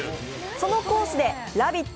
そのコースで「ラヴィット！